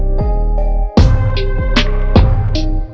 lebih dari sekarang